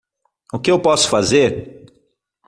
O que eu posso fazer?